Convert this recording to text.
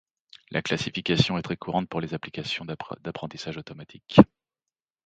La classification est très courante pour les applications d'apprentissage automatique.